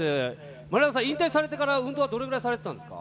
丸山さん、引退されてから運動はどれぐらいされていたんですか？